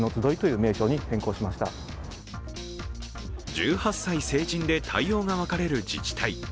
１８歳成人で対応が分かれる自治体。